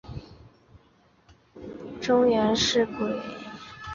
中原氏鬼督邮为菊科鬼督邮属下的一个种。